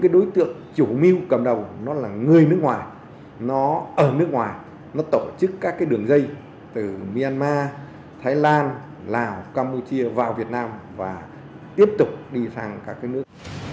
đối tượng chủ mưu cầm đầu nó là người nước ngoài nó ở nước ngoài nó tổ chức các đường dây từ myanmar thái lan lào campuchia vào việt nam và tiếp tục đi sang các nước